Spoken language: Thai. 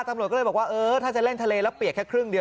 ตำรวจก็เลยบอกว่าเออถ้าจะเล่นทะเลแล้วเปียกแค่ครึ่งเดียว